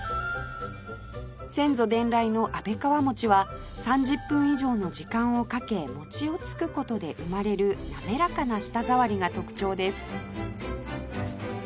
先祖伝来のあべ川餅は３０分以上の時間をかけ餅をつく事で生まれるなめらかな舌触りが特徴です